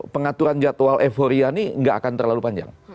pengaturan jadwal evoria ini gak akan terlalu panjang